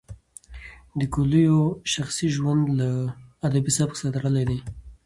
د کویلیو شخصي ژوند له ادبي سبک سره تړلی دی.